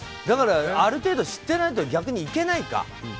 ある程度知ってないと逆にいけないか。